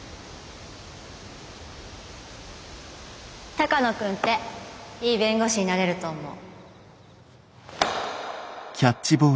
鷹野君っていい弁護士になれると思う。